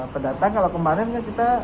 pendatang kalau kemarin kan kita